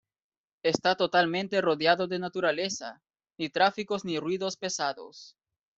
Esta totalmente rodeado de naturaleza, ni tráficos ni ruidos pesados.